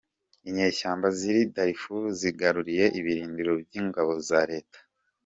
Inyeshyamba z’iri Darifuru zigaruriye ibirindiro by’ingabo za Leta